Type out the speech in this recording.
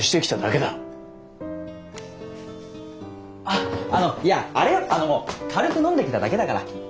あっあのいやあれよあの軽く飲んできただけだから。